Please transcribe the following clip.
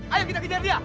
ayo kita kejar dia